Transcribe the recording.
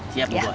siap bu bos